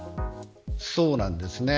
そうなんですね。